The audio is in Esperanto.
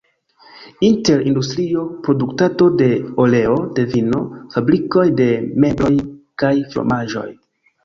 Inter industrio, produktado de oleo, de vino, fabrikoj de mebloj kaj fromaĝoj.